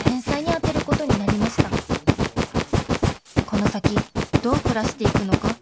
この先どう暮らしていくのか